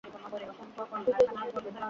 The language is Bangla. বিজয়, কোথায় তুমি?